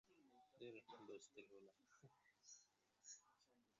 এতে পৃথিবী থেকে বেশি পরিমাণে সূর্যালোক প্রতিফলিত হয়ে মহাশূন্যে ফিরে যাবে।